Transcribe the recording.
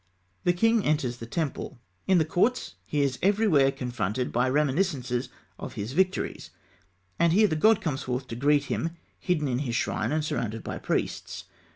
The king enters the temple. In the courts, he is everywhere confronted by reminiscences of his victories; and here the god comes forth to greet him, hidden in his shrine and surrounded by priests.